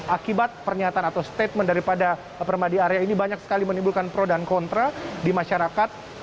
akibat pernyataan atau statement daripada permadi arya ini banyak sekali menimbulkan pro dan kontra di masyarakat